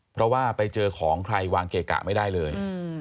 เพราะว่าไปเจอของใครวางเกะกะไม่ได้เลย